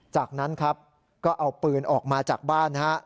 จากนั้นครับก็เอาปืนออกมาจากบ้านนะฮะ